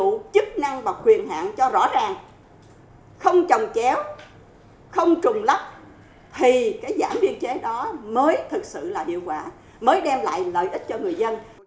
phục vụ chức năng và quyền hạn cho rõ ràng không trồng chéo không trùng lắp thì cái giảm biên chế đó mới thực sự là điều quả mới đem lại lợi ích cho người dân